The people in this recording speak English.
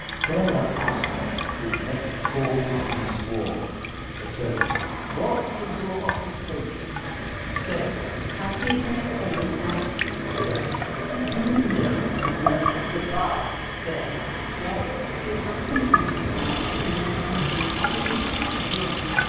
Sarah Arscott was next called and sworn. Att. What is your occupation? S. I keep the New Inn at . Att. Do you know the prisoner at the bar? S. Yes: he was often at our house since he come first at Christmas of last year.